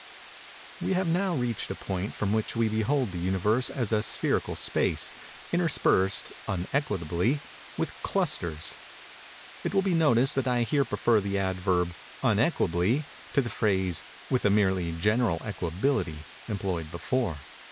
We have now reached a point from which we behold the Universe as a spherical space, interspersed, unequably, with clusters. It will be noticed that I here prefer the adverb "unequably" to the phrase "with a merely general equability," employed before.